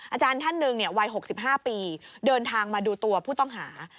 อาจารย์ท่านหนึ่งวัย๖๕ปีเดินทางมาดูตัวผู้ต้องหา